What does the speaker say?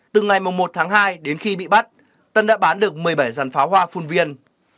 từ ngày một tháng hai đến khi bị bắt tân đã bán được một mươi bảy dàn pháo hoa phun viên